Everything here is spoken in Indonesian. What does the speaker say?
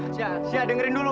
syah syah dengerin dulu